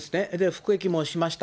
服役もしました。